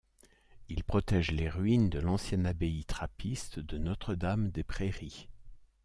Il protège les ruines de l'ancienne abbaye trappiste de Notre-Dame des Prairies.